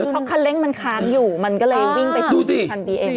พอคันเล็กมันค้านอยู่มันก็เลยวิ่งไปชนทางบีเอ็ม